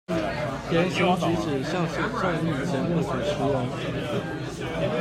言行舉止像是綜藝節目主持人